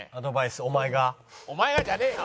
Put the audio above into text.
「お前が」じゃねえよ！